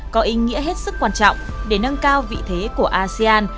có ý nghĩa hết sức quan trọng để nâng cao vị thế của asean